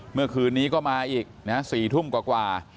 เมื่อคืนนี้ก็มาอีกนะ๔ทุ่มกว่า